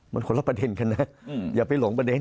มันคนละประเด็นกันนะอย่าไปหลงประเด็น